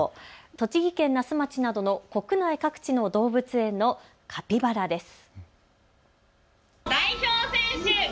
栃木県那須町などの国内各地の動物園のカピバラです。